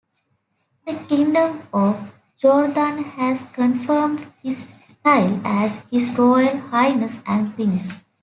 The Kingdom of Jordan has confirmed his style as "His Royal Highness" and Prince.